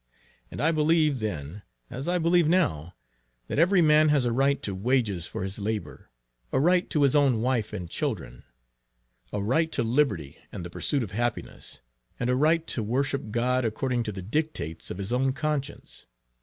And I believed then, as I believe now, that every man has a right to wages for his labor; a right to his own wife and children; a right to liberty and the pursuit of happiness; and a right to worship God according to the dictates of his own conscience.